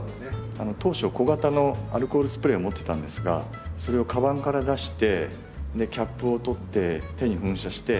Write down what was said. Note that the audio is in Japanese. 当初小型のアルコールスプレーを持ってたんですがそれをカバンから出してキャップを取って手に噴射して。